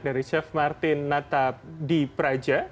dari chef martin natap di praja